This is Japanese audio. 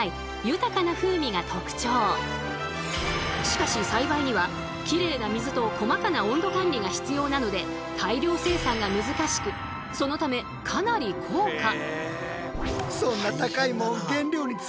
しかし栽培にはきれいな水と細かな温度管理が必要なので大量生産が難しくそのためかなり高価。